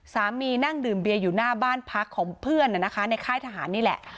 นั่งดื่มเบียร์อยู่หน้าบ้านพักของเพื่อนในค่ายทหารนี่แหละ